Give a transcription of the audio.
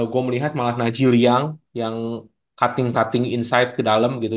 gue melihat malah najil young yang cutting cutting inside ke dalam gitu